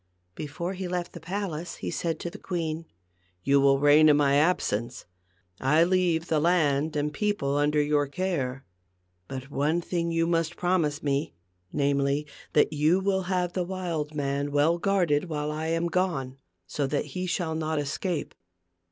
Before he left the palace he said to the queen, "You will reign in my absence. I leave the land and people under your care. But one thing you must promise me, namely, that you will have the wild man well guarded while I am gone, so that he shall not escape."